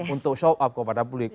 untuk show up kepada publik